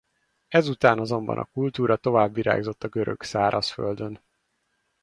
Ez után azonban a kultúra tovább virágzott a görög szárazföldön.